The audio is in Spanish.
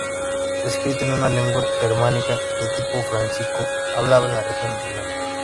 Escrito en una lengua germánica de tipo fráncico, hablada en la región renana.